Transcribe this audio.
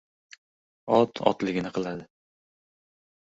Ot — otligini qiladi!